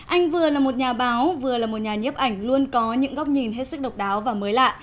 anh vừa là một nhà báo vừa là một nhà nhếp ảnh luôn có những góc nhìn hết sức độc đáo và mới lạ